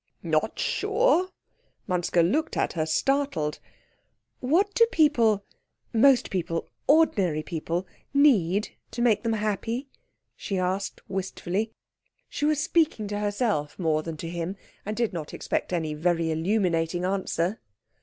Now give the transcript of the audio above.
"Not sure ?" Manske looked at her, startled. "What do people most people, ordinary people, need, to make them happy?" she asked wistfully. She was speaking to herself more than to him, and did not expect any very illuminating answer.